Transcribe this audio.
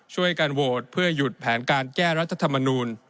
การโหวตเพื่อหยุดแผนการแก้รัฐธรรมนูล